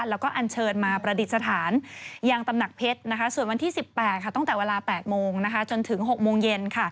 แล้วก็อันเชิญมาประดิษฐานยังตำหนักเพชรส่วนวันที่๑๘ตั้งแต่เวลา๘โมงจนถึง๖โมงเย็น